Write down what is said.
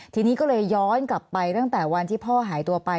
ทีนี้ก็เลยย้อนกลับไปตั้งแต่วันที่พ่อหายตัวไป